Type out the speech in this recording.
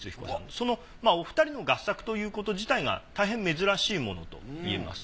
そのお二人の合作ということ自体がたいへん珍しいものと言えます。